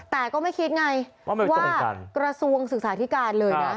แต่ก็ไม่คิดไงว่ากระทรวงศึกษาธิการเลยนะ